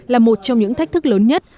là một trong những thách thức lớn nhất